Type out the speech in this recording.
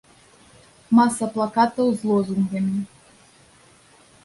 Маса плакатаў з лозунгамі.